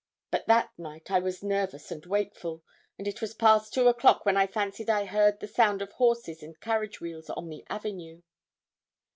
But that night I was nervous and wakeful, and it was past two o'clock when I fancied I heard the sound of horses and carriage wheels on the avenue.